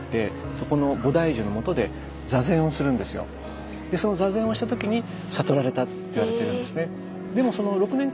でそのあとその坐禅をした時に悟られたといわれているんですね。